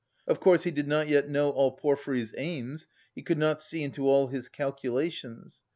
Of course, he did not yet know all Porfiry's aims, he could not see into all his calculations.